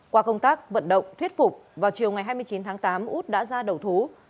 qua công tác vận động thuyết phục vào chiều ngày hai mươi chín tháng tám út đã ra đầu thú